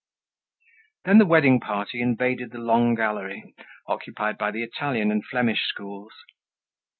Then the wedding party invaded the long gallery occupied by the Italian and Flemish schools.